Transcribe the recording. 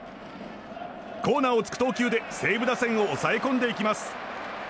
コーナーをつく投球で西武打線を抑え込んでいきます。